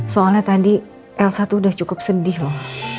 soalnya tadi elsa tuh udah cukup sedih loh